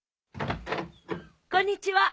こんにちは。